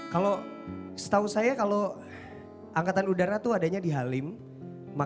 kupikku di sini